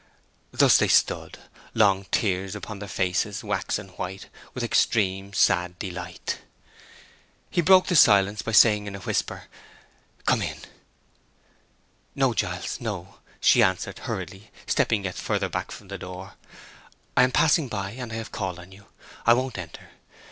Thus they stood, "Long tears upon their faces, waxen white With extreme sad delight." He broke the silence by saying in a whisper, "Come in." "No, no, Giles!" she answered, hurriedly, stepping yet farther back from the door. "I am passing by—and I have called on you—I won't enter.